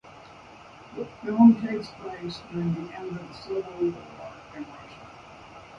The film takes place during the end of the civil war in Russia.